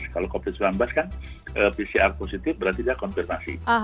kalau covid sembilan belas kan pcr positif berarti dia konfirmasi